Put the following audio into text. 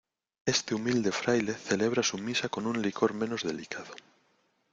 este humilde fraile celebra su misa con un licor menos delicado.